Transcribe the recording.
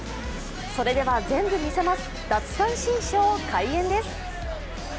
それでは全部見せます、奪三振ショー開演です。